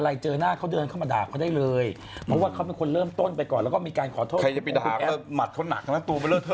ใครจะไปด่ามัดเขาหนักตัวไม่เลิกเทอด์ขนาดนั้นไปด่ามัดเขาหนัก